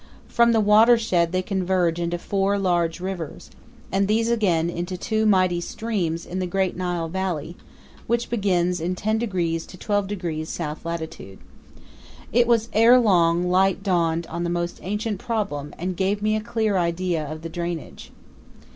From the watershed they converge into four large rivers, and these again into two mighty streams in the great Nile valley, which begins in ten degrees to twelve degrees south latitude. It was long ere light dawned on the ancient problem and gave me a clear idea of the drainage.